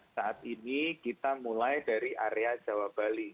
saat ini kita mulai dari area jawa bali